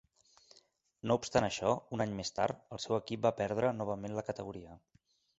No obstant això, un any més tard, el seu equip va perdre novament la categoria.